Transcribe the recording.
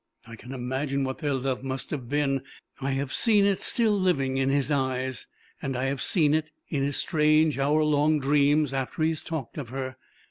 I can imagine what their love must have been. I have seen it still living in his eyes, and I have seen it in his strange hour long dreams after he has talked of her.